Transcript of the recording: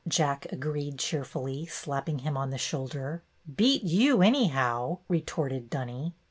Jack agreed cheer fully, slapping him on the shoulder. " Beat you, anyhow," retorted Dunny.